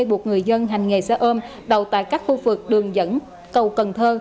buộc người dân hành nghề xe ôm đầu tại các khu vực đường dẫn cầu cần thơ